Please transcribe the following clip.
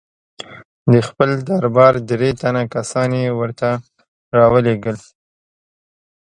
د خپل دربار درې تنه کسان یې ورته را ولېږل.